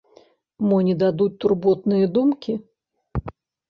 Мо не дадуць турботныя думкі?